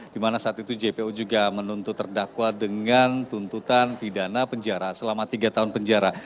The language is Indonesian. di mana saat itu jpu juga menuntut terdakwa dengan tuntutan pidana penjara selama tiga tahun penjara